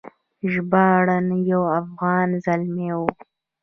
ژباړن یو افغان زلمی و.